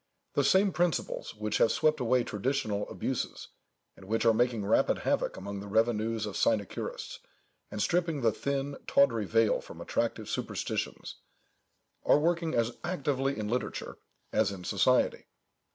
The same principles which have swept away traditional abuses, and which are making rapid havoc among the revenues of sinecurists, and stripping the thin, tawdry veil from attractive superstitions, are working as actively in literature as in society.